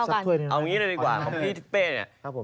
เอางี้เลยดีกว่าของพี่ทิเป้เนี่ย